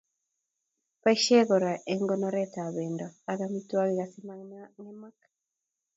Boishei kora eng konoret ab bendo ak amitwokik asimangemak.